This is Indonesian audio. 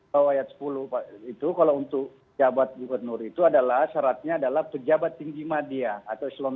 kalau ayat sepuluh itu kalau untuk jabat bukat nur itu adalah syaratnya adalah pejabat tinggi madia atau selon satu